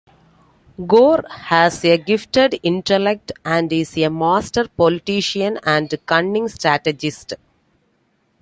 Ghaur has a gifted intellect, and is a master politician and cunning strategist.